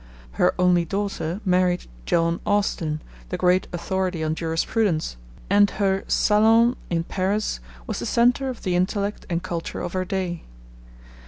Her only daughter married John Austin, the great authority on jurisprudence, and her salon in Paris was the centre of the intellect and culture of her day.